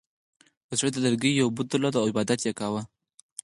یو سړي د لرګي یو بت درلود او عبادت یې کاوه.